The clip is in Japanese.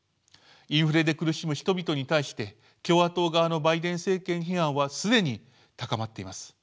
インフレで苦しむ人々に対して共和党側のバイデン政権批判は既に高まっています。